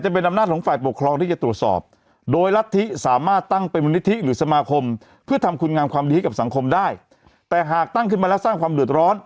เพื่อทำคุณงามความดีกับสังคมได้แต่หากตั้งขึ้นมาแล้วสร้างความหลืดร้อน